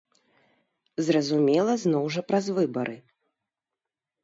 Зразумела, зноў жа праз выбары.